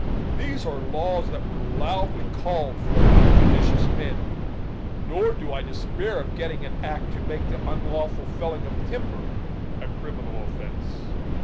These are laws that were loudly called for by judicious men; nor do I despair of getting an act to make the unlawful felling of timber a criminal offence."